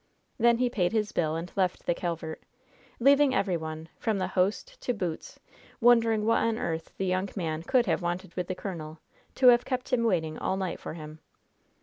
Then he paid his bill and left the Calvert, leaving every one, from the host to "boots," wondering what on earth the young man could have wanted with the colonel, to have kept him waiting all night for him.